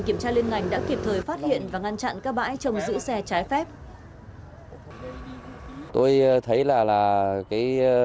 kiểm tra liên ngành đã kịp thời phát hiện và ngăn chặn các bãi trồng giữ xe trái phép tôi thấy là